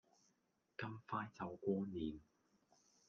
咁快就過年